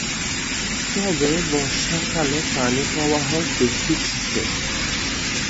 তবে বর্ষাকালে পানি প্রবাহ বেশি থাকে।